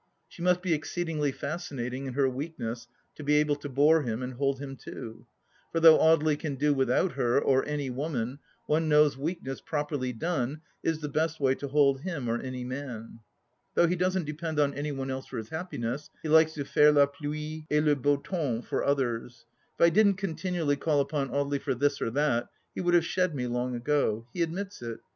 She must be exceedingly fascinating in her weak ness to be able to bore him and hold him too. For though Audely can do without her, or any woman, one knows weak ness, properly done, is the best way to hold him or any man. Though he doesn't depend on any one else for his happiness, he likes to faire la pluie et le beau temps for others. If I didn't continually call upon Audely for this or that, he would have shed me long ago. He admits it.